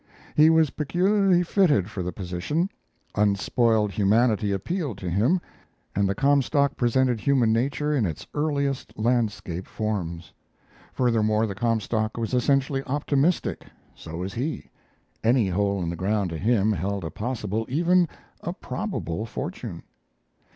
He was peculiarly fitted for the position. Unspoiled humanity appealed to him, and the Comstock presented human nature in its earliest landscape forms. Furthermore, the Comstock was essentially optimistic so was he; any hole in the ground to him held a possible, even a probable, fortune.